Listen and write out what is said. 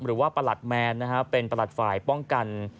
หรือว่าประหลัดแมร์เป็นประหลัดฝ่ายป้องกัน